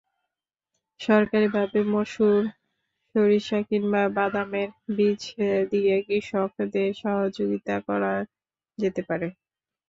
সরকারিভাবে মসুর, সরিষা কিংবা বাদামের বীজ দিয়ে কৃষকদের সহযোগিতা করা যেতে পারে।